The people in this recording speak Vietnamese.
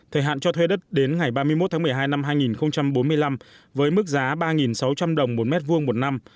thời hạn cho thuê đất đến ngày ba mươi một tháng một mươi hai năm hai nghìn bốn mươi năm với mức giá ba sáu trăm linh đồng một mét vuông một năm